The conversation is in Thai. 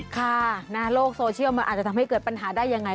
ค่ะโลกโซเชียลมันอาจจะทำให้เกิดปัญหาได้ยังไง